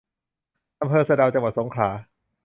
อำเภอสะเดา จังหวัดสงขลา